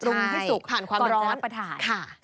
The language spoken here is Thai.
ปรุงให้สุกผ่านความร้อนก็ร้อนประถาย